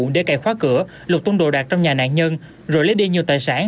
để cài khóa cửa lục tôn đồ đạc trong nhà nạn nhân rồi lấy đi nhiều tài sản